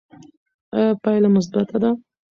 ایا پایله مثبته ده؟